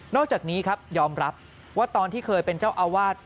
อกจากนี้ครับยอมรับว่าตอนที่เคยเป็นเจ้าอาวาส